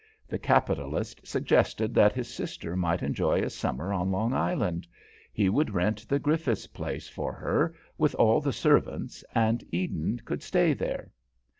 The capitalist suggested that his sister might enjoy a summer on Long Island; he would rent the Griffith's place for her, with all the servants, and Eden could stay there.